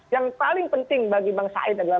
yang paling penting bagi bang said adalah